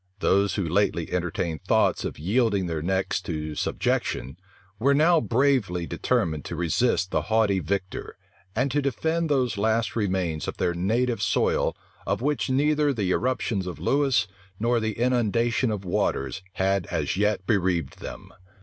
Those who lately entertained thoughts of yielding their necks to subjection, were now bravely determined to resist the haughty victor, and to defend those last remains of their native soil, of which neither the irruptions of Lewis, nor the inundation of waters, had as yet bereaved them.